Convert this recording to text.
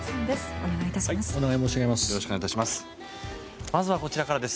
お願いいたします。